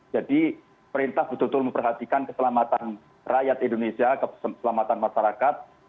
jadi perintah betul betul memperhatikan keselamatan rakyat indonesia keselamatan masyarakat